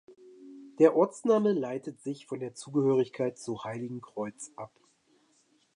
Der Ortsname leitet sich von der Zugehörigkeit zu Heiligenkreuz ab.